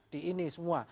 di ini semua